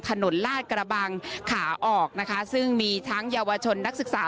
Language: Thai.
ลาดกระบังขาออกนะคะซึ่งมีทั้งเยาวชนนักศึกษา